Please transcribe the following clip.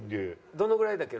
どのぐらいだっけ？